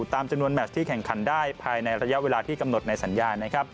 ตามจำนวนแมชที่แข่งขันได้ภายในระยะเวลาที่กำหนดในสัญญานะครับ